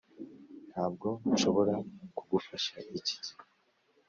ntabwo nshobora kugufasha iki gihe.